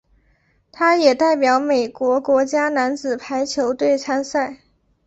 他也代表美国国家男子排球队参赛。